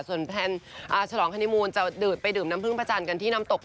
ส่วนแพลนฉลองฮานิมูลจะดืดไปดื่มน้ำพึ่งประจันทร์กันที่น้ำตก